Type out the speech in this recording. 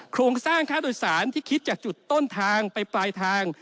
โครงสร้างค่าโดยสารที่คิดจากจุดต้นทางไปปลายทาง